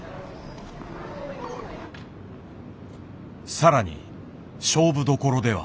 更に勝負どころでは。